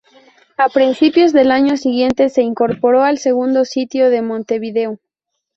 A principios del año siguiente se incorporó al segundo sitio de Montevideo.